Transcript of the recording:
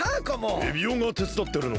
エビオがてつだってるのか？